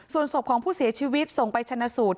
ส่วนศพของผู้เสียชีวิตส่งไปชนะสูตร